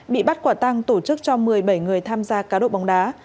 bị bắt quả tăng tổ chức cho một mươi bảy người tham gia cá độ bóng đá